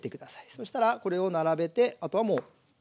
そしたらこれを並べてあとはもう。